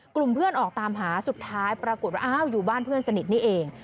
กลุ่มเพื่อนออกตามหาสุดท้ายปรากฏว่าอ้าวอยู่บ้านเพื่อนสนิทนี่เอง